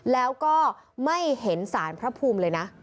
แล้วก็ไม่เห็นสารพระภูมิเลยนะ